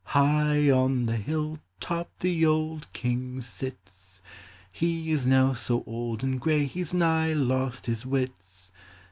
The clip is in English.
High on the hill top The old King sits ; He is now so old and gray He 's nigh lost his wits.